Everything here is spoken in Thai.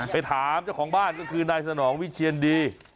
ไปถามเจ้าของบ้านก็คือนายสนองวิเชียนดี